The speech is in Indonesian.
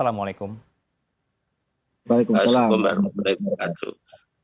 assalamualaikum warahmatullahi wabarakatuh